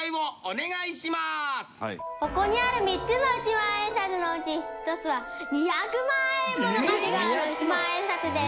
ここにある３つの一万円札のうち１つは２００万円もの価値がある一万円札です。